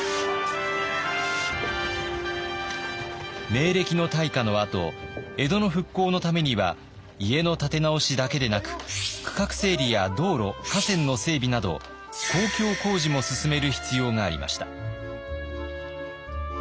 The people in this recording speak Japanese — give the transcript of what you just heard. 明暦の大火のあと江戸の復興のためには家の建て直しだけでなく区画整理や道路・河川の整備など公共工事も進める必要がありました。